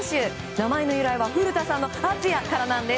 名前の由来は古田さんの敦也からなんです。